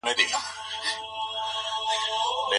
که يوه ميرمن خپله شپه خاوند ته هبه کړي؟